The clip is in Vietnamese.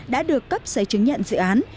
đã được cấp giấy chứng nhận dự án